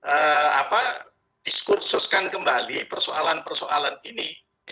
terus mulai ya diskursuskan kembali persoalan persoalan ini